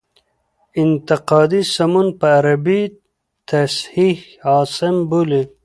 انتقادي سمون په عربي تصحیح حاسم بولي.